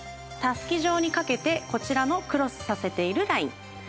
たすき状にかけてこちらのクロスさせているライン。